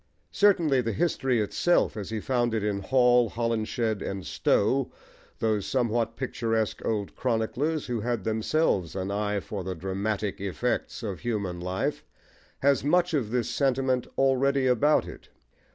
Certainly the history itself, as he found it in Hall, Holinshed, and Stowe, those somewhat picturesque old chroniclers who had themselves an eye for the dramatic "effects" of human life, has much of this sentiment already about it.